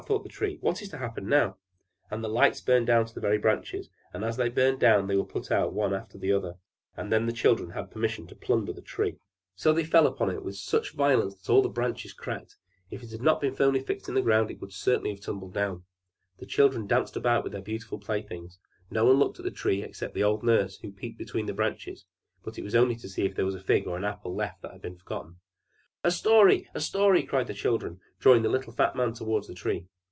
thought the Tree. "What is to happen now!" And the lights burned down to the very branches, and as they burned down they were put out one after the other, and then the children had permission to plunder the Tree. So they fell upon it with such violence that all its branches cracked; if it had not been fixed firmly in the ground, it would certainly have tumbled down. The children danced about with their beautiful playthings; no one looked at the Tree except the old nurse, who peeped between the branches; but it was only to see if there was a fig or an apple left that had been forgotten. "A story! A story!" cried the children, drawing a little fat man towards the Tree.